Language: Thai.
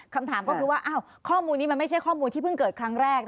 คำถามก็คือว่าข้อมูลนี้มันไม่ใช่ข้อมูลที่เพิ่งเกิดครั้งแรก